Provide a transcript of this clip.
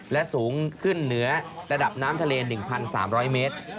และสูงขึ้นเหนือระดับน้ำทะเล๑๓๐๐เมตร